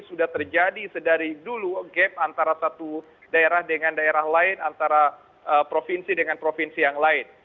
sudah terjadi sedari dulu gap antara satu daerah dengan daerah lain antara provinsi dengan provinsi yang lain